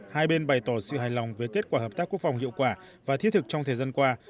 hai bên bày tỏ sự hài lòng với kết quả hợp tác quốc phòng hiệu quả và thiết thực trong thời gian qua